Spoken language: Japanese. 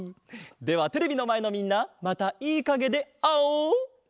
ではテレビのまえのみんなまたいいかげであおう！